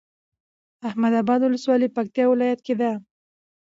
احمداباد ولسوالي پکتيا ولايت کي ده